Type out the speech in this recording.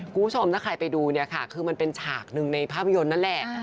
คุณผู้ชมถ้าใครไปดูเนี่ยค่ะคือมันเป็นฉากหนึ่งในภาพยนตร์นั่นแหละ